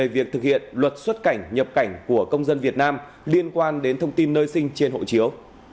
về luật xuất cảnh nhập cảnh của công dân việt nam liên quan đến thông tin nơi sinh trên hộ chiếu